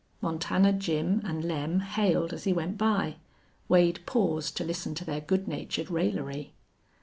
Montana Jim and Lem hailed as he went by. Wade paused to listen to their good natured raillery.